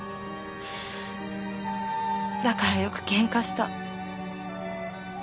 だからよくケンカした。